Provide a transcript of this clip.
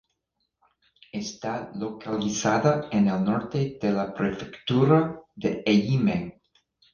Está localizada en el norte de la prefectura de Ehime.